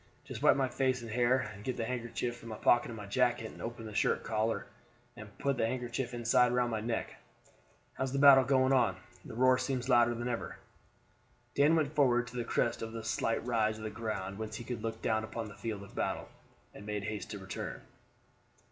Just wipe my face and hair, and get the handkerchief from the pocket of my jacket, and open the shirt collar and put the handkerchief inside round my neck. How is the battle going on? The roar seems louder than ever." Dan went forward to the crest a of slight rise of the ground whence he could look down upon the field of battle, and made haste to return.